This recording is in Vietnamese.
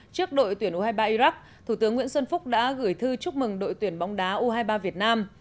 trước đội tuyển u hai mươi ba iraq thủ tướng nguyễn xuân phúc đã gửi thư chúc mừng đội tuyển bóng đá u hai mươi ba việt nam